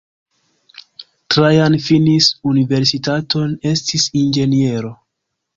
Trajan finis universitaton, estis inĝeniero.